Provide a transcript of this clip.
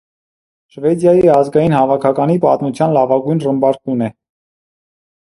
Շվեդիայի ազգային հավաքականի պատմության լավագույն ռմբարկուն է։